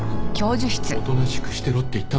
おとなしくしてろって言っただろ。